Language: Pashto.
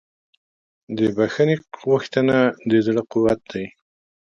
د بښنې غوښتنه د زړه قوت دی.